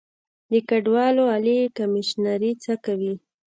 د کډوالو عالي کمیشنري څه کوي؟